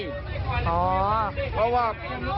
เพราะว่า